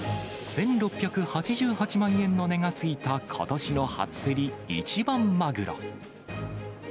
１６８８万円の値がついたことしの初競り、一番マグロ。